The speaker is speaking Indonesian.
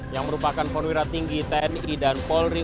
yang merupakan perwira tinggi tni dan polri